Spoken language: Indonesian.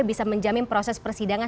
bisa menjamin proses persidangan